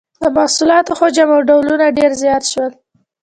د محصولاتو حجم او ډولونه ډیر زیات شول.